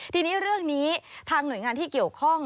ทีนี้เรื่องนี้ทางหน่วยงานที่เกี่ยวข้อง